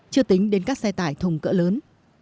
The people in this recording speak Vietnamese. chưa tính đến các xe tải thùng cỡ lớn